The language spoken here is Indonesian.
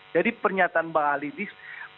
jadi pernyataan mbak halilis